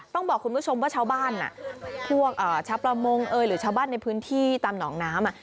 ต้องบอกคุณผู้ชมว่าชาวบ้านพวกชาวประมงหรือชาวบ้านในพื้นที่ตามหนองน้ำ